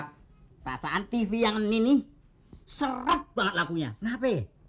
perasaan tv yang ini sangat seret kenapa